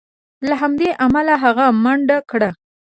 له همدې امله هغه منډه کړه.